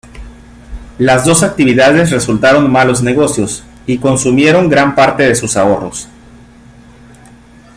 Las dos actividades resultaron malos negocios y consumieron gran parte de sus ahorros.